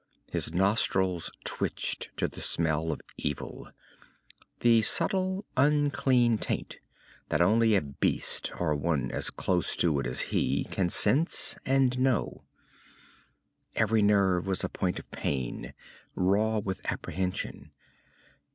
His nostrils twitched to the smell of evil, the subtle unclean taint that only a beast, or one as close to it as he, can sense and know. Every nerve was a point of pain, raw with apprehension.